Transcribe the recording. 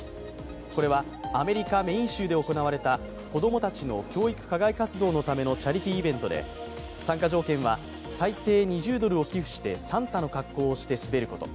これは、アメリカ・メーン州で行われた子供たちの教育・課外活動のためのチャリティーイベントで、参加条件は最低２０ドルを寄付してサンタの格好をして滑ること。